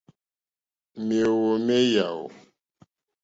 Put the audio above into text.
Mèóhwò mé yáò.